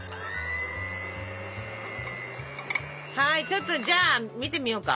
はいちょっとじゃあ見てみようか。